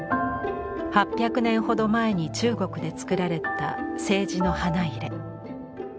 ８００年ほど前に中国でつくられた青磁の花入。